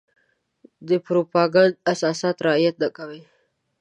د پروپاګنډ اساسات رعايت نه کوي.